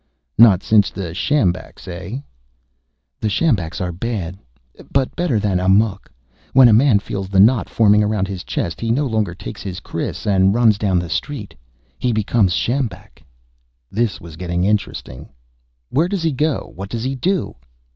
"Not since the sjambaks, eh?" "The sjambaks are bad. But better than amok. When a man feels the knot forming around his chest, he no longer takes his kris and runs down the street he becomes sjambak." This was getting interesting. "Where does he go? What does he do?"